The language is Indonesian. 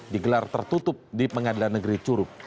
digelar tertutup di pengadilan negeri curug